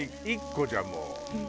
１個じゃもう。